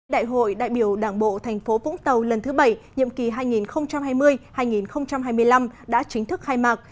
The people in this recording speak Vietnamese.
đại hội đại biểu đảng bộ thành phố vũng tàu lần thứ bảy nhiệm kỳ hai nghìn hai mươi hai nghìn hai mươi năm đã chính thức khai mạc